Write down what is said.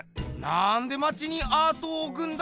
なんでまちにアートをおくんだ？